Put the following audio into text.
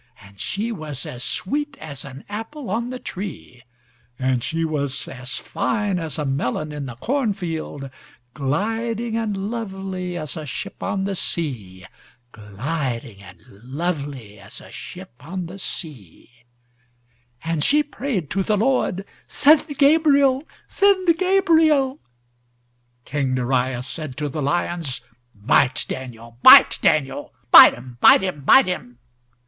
And she was as sweet as an apple on the tree. And she was as fine as a melon in the corn field, Gliding and lovely as a ship on the sea, Gliding and lovely as a ship on the sea. And she prayed to the Lord:—"Send Gabriel. Send Gabriel."King Darius said to the lions:—"Bite Daniel. Bite Daniel.Bite him. Bite him. Bite him."Here the audience roars with the leader.